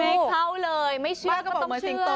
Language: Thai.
ไม่เท่าเลยไม่เชื่อต้องเชื่อ